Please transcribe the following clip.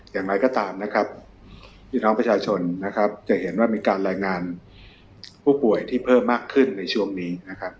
อย่างไรก็ตามพี่น้องประชาชนจะเห็นว่ามีการรายงานผู้ป่วยที่เพิ่มมากขึ้นในช่วงนี้